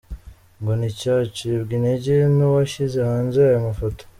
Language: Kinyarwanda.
Ngo ntiyacibwa intege n'uwashyize hanze aya mafoto.